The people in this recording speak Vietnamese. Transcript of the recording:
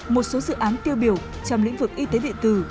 một số dự án tiêu biểu trong lĩnh vực y tế điện tử